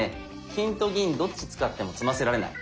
金と銀どっち使っても詰ませられない。